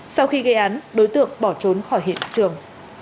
sau khi gây án đối tượng bỏ trốn khỏi hiện trường